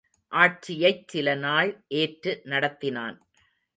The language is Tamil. ஆட்சியைச் சில நாள் ஏற்று நடத்தினான்.